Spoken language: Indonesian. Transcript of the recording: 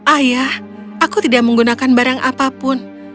ayah aku tidak menggunakan barang apapun